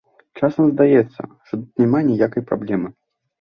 Часам здаецца, што тут няма ніякай праблемы.